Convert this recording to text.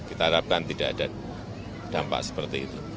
kita harapkan tidak ada dampak seperti itu